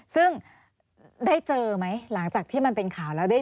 ซึ่งได้เจอไหมหลังจากที่มันเป็นข่าวแล้วได้